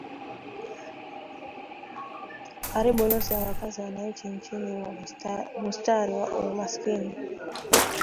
Karibu nusu ya wakazi wanaishi chini ya mstari wa umaskini